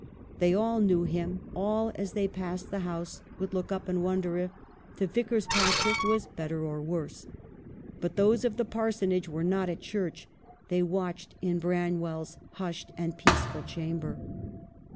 They all knew him, all as they passed the house would look up and wonder if " t' Vic ar's Patrick" were better or worse. But those of the Parsonage were not at church : they watched in Branwell's hushed and peaceful chamber.